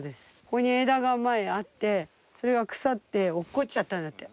ここに枝が前あってそれが腐って落っこっちゃったんだって